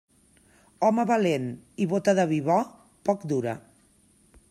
Home valent i bóta de vi bo, poc dura.